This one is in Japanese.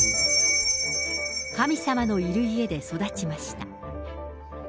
神様のいる家で育ちました。